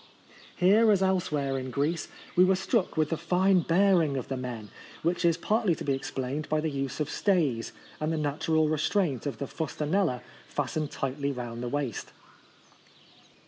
Here, as elsewhere in Greece, we were struck with the fine bearing of the men, which is partly to be explained by the use of stays and the natural restraint of the fustaneUa fastened tightly round the waist.